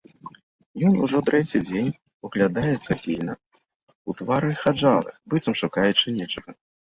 Ён ужо трэці дзень углядаецца пільна ў твары хаджалых, быццам шукаючы нечага.